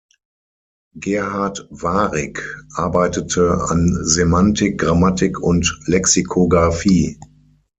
Gerhard Wahrig arbeitete an Semantik, Grammatik und Lexikographie.